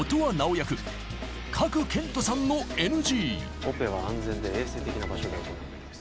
役賀来賢人さんのＮＧオペは安全で衛生的な場所で行うべきです